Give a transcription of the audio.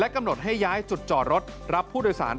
กำหนดให้ย้ายจุดจอดรถรับผู้โดยสาร